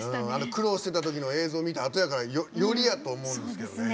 苦労してたときの映像見たあとからよりやと思うんですけどね。